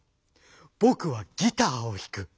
僕はギターを弾く。